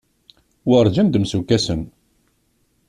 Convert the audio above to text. Werǧin d-msukkasen.